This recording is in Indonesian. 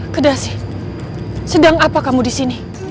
kedasi sedang apa kamu disini